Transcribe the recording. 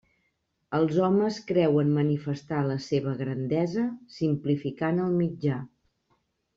Els homes creuen manifestar la seva grandesa simplificant el mitjà.